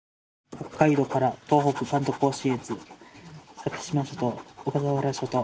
北海道から東北関東甲信越先島諸島小笠原諸島